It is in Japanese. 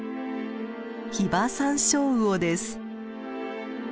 ヒバサンショウウオです。